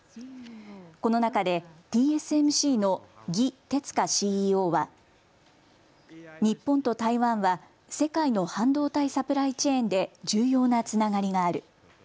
この中でＴＳＭＣの魏哲家ＣＥＯは日本と台湾は世界の半導体サプライチェーンで重要なつながりがある。